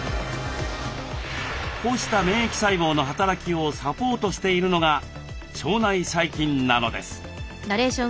こうした免疫細胞の働きをサポートしているのが腸内細菌なのです。